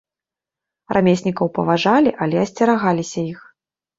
Рамеснікаў паважалі, але асцерагаліся іх.